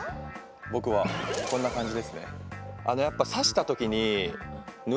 ボクはこんな感じですね。